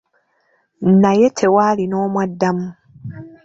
Naye tewaali n'omu addamu.